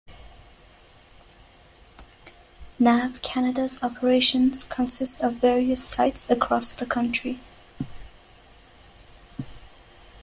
Nav Canada's operations consist of various sites across the country.